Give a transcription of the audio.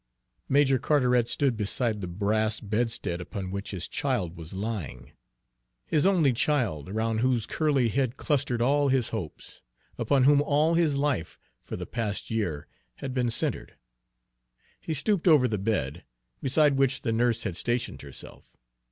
Major Carteret stood beside the brass bedstead upon which his child was lying, his only child, around whose curly head clustered all his hopes; upon whom all his life for the past year had been centred. He stooped over the bed, beside which the nurse had stationed herself.